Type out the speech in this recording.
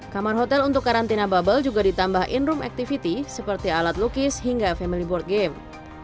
kamar hotel untuk karantina bubble juga ditambah in room activity seperti alat lukis hingga family board game